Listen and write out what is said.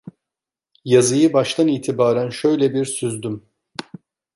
Yazıyı baştan itibaren şöyle bir süzdüm.